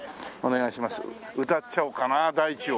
歌っちゃおうかな『大地』を。